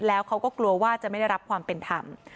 แล้วเขาก็กลัวว่าจะไม่ได้รับความเป็นธรรม